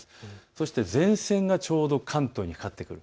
そして前線がちょうど関東にかかってくる。